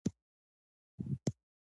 هیله مند انسان په ژوند کې بریالی کیږي.